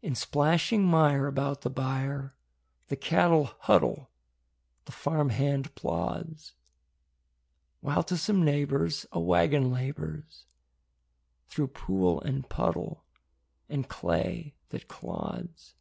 In splashing mire about the byre The cattle huddle, the farm hand plods; While to some neighbor's a wagon labors Through pool and puddle and clay that clods.